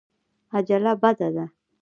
عجله بده ده.